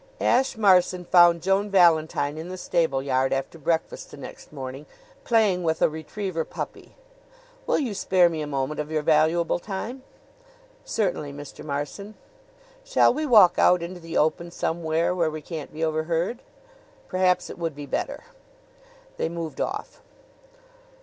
Ashe Marson found Joan Valentine in the stable yard after breakfast the next morning, playing with a retriever puppy. "Will you spare me a moment of your valuable time?" "Certainly, Mr. Marson." "Shall we walk out into the open somewhere where we can't be overheard?" "Perhaps it would be better." They moved off.